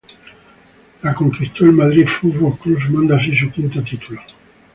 La conquistó el Madrid F. C. sumando así su quinto título.